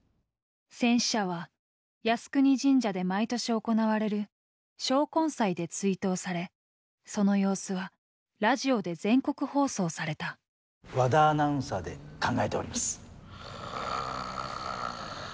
戦死者は靖国神社で毎年行われる招魂祭で追悼されその様子はラジオで全国放送された和田アナウンサーで考えております。